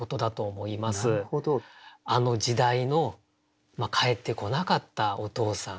あの時代の還ってこなかったお父さん。